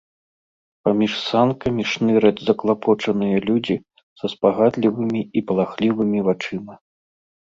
Паміж санкамі шныраць заклапочаныя людзі са спагадлівымі і палахлівымі вачыма.